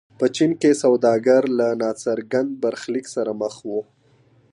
په چین کې سوداګر له ناڅرګند برخلیک سره مخ وو.